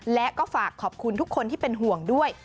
และก็ฝากขอบคุณทุกคนที่เป็นห่วงด้วย